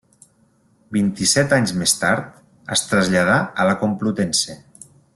Vint-i-set anys més tard, es traslladà a la Complutense.